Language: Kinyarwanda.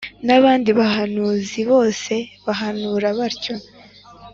N’abandi bahanuzi bose bahanura batyo